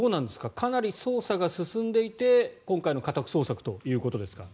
かなり捜査が進んでいて今回の家宅捜索ということですか？